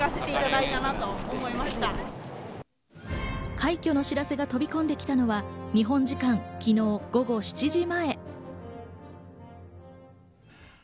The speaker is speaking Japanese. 快挙の知らせが飛び込んできたのは日本時間、昨日午後７時前。